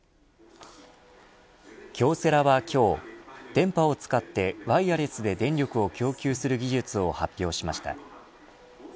京セラは今日電波を使ってワイヤレスで電力を供給する技術を発表しました。